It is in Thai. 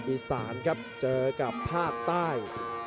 อีสานครับเจอกับภาคใต้